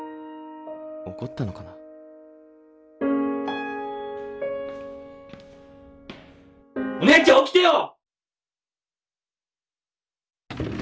怒ったのかなお姉ちゃん起きてよ！